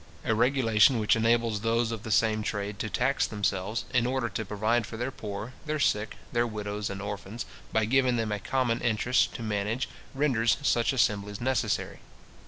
A regulation which enables those of the same trade to tax themselves, in order to provide for their poor, their sick, their widows and orphans, by giving them a common interest to manage, renders such assemblies necessary.